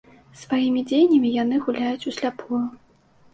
Сваімі дзеяннямі яны гуляюць усляпую.